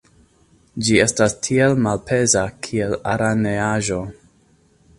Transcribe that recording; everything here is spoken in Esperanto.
Ĝi estas tiel malpeza, kiel araneaĵo!